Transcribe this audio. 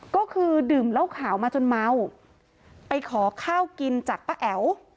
ก็คือดื่มเหล้าขาวมาจนเมาไปขอข้าวกินจากป้าแอ๋ว